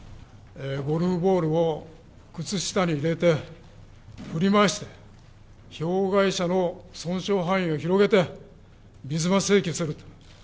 ゴルフボールを靴下に入れて振り回して、ひょう被害車の損害範囲を広げて水増し請求する。